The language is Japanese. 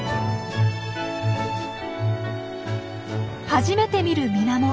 初めて見る水面。